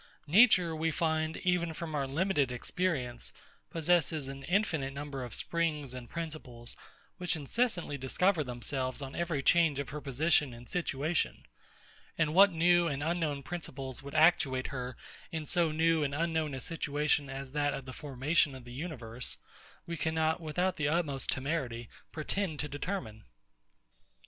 Nature, we find, even from our limited experience, possesses an infinite number of springs and principles, which incessantly discover themselves on every change of her position and situation. And what new and unknown principles would actuate her in so new and unknown a situation as that of the formation of a universe, we cannot, without the utmost temerity, pretend to determine.